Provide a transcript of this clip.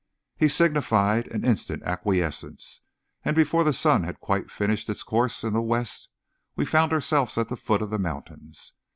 He signified an instant acquiescence, and before the sun had quite finished its course in the west we found ourselves at the foot of the mountains.